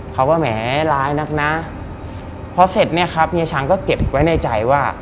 เขาก็แหมร้ายนักนะพอเสร็จเนี่ยครับเฮียชังก็เก็บไว้ในใจว่า